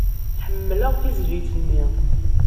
Ḥemmleɣ tizlit-nni.